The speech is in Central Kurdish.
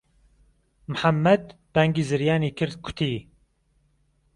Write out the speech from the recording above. محەممەد بانگی زریانی کرد کوتی